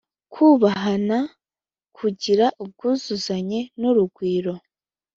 kubahana, kugira ubwuzu n’urugwiro.